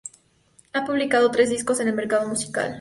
Ha publicado tres discos en el mercado musical.